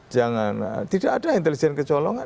jangan tidak ada intelijen kecolongan